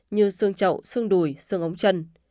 như xương chậu xương đùi xương ống chân